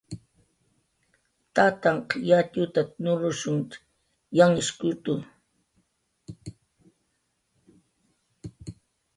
"Tatanhq yatxutat"" nurnushunht"" yanhishkutu. "